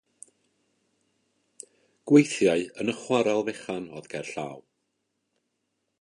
Gweithiai yn y chwarel fechan oedd gerllaw.